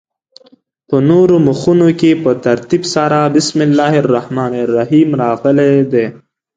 په نورو مخونو کې په ترتیب سره بسم الله الرحمن الرحیم راغلې ده.